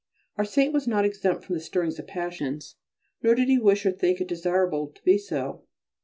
Our Saint was not exempt from the stirrings of passions nor did he wish nor think it desirable to be so.